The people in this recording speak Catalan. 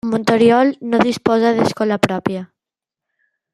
Montoriol no disposa d'escola pròpia.